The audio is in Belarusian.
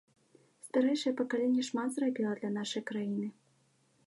Старэйшае пакаленне шмат зрабіла для нашай краіны.